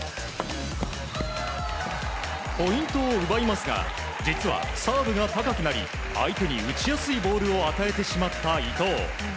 ポイントを奪いますが実はサーブが高くなり相手に打ちやすいボールを与えてしまった、伊藤。